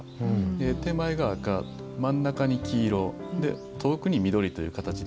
手前が赤、真ん中に黄色遠くに緑という形で。